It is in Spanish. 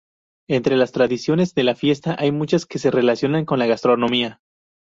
Entre las tradiciones de la fiesta hay muchas que se relacionan con la gastronomía.